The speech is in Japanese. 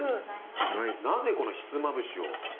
なぜひつまぶしを？